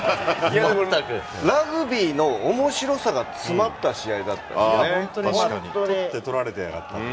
ラグビーのおもしろさが詰まった試合だったですよね。